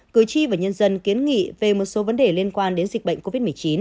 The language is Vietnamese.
cử tri và nhân dân kiến nghị về một số vấn đề liên quan đến dịch bệnh covid một mươi chín